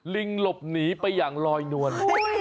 ลิงหลบหนีไปอย่างลอยนวล